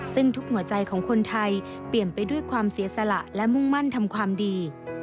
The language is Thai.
ซึ่งทุกหัวใจของคนไทยเปลี่ยนไปด้วยความเสียสละและมุ่งมั่นทำความดี